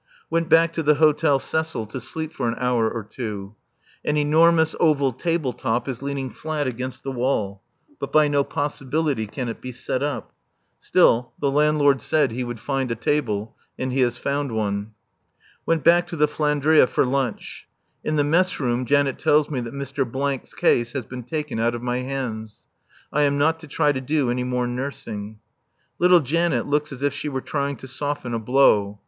Went back to the Hôtel Cecil to sleep for an hour or two. An enormous oval table top is leaning flat against the wall; but by no possibility can it be set up. Still, the landlord said he would find a table, and he has found one. Went back to the "Flandria" for lunch. In the mess room Janet tells me that Mr. 's case has been taken out of my hands. I am not to try to do any more nursing. Little Janet looks as if she were trying to soften a blow.